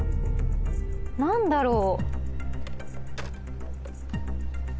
何だろう。